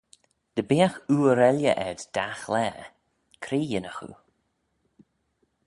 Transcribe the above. Dy beagh oor elley ayd dagh laa, cre yinnagh oo?